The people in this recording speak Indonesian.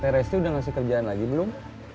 terrestri udah ngasih kerjaan lagi belum